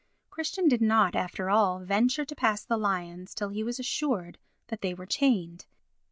Christian did not, after all, venture to pass the lions till he was assured that they were chained.